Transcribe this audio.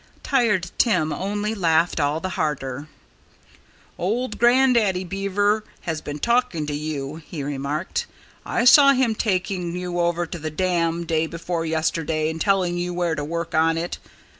Tired Tim only laughed all the harder. "Old Grandaddy Beaver has been talking to you," he remarked. "I saw him taking you over to the dam day before yesterday and telling you where to work on it.